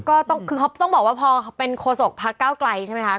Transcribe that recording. ก็คือต้องบอกว่าพอเป็นโครโศกพรรคเก้าไกรใช่ไหมฮะ